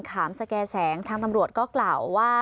ขามสแก่แสงทางตำรวจก็กล่าวว่า